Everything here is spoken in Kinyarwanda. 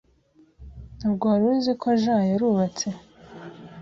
Ntabwo wari uzi ko jean yarubatse?